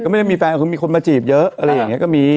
ไม่ได้มีแฟนคือมีคนมาจีบเยอะอะไรอย่างนี้ก็มี